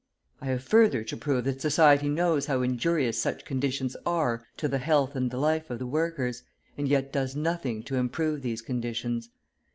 I have further to prove that society knows how injurious such conditions are to the health and the life of the workers, and yet does nothing to improve these conditions.